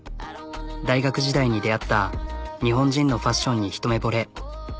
大学時代に出会った日本人のファッションにひと目ぼれ。